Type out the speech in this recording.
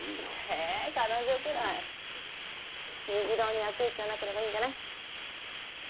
えっ彼女くらい虹朗に悪影響なければいいんじゃない？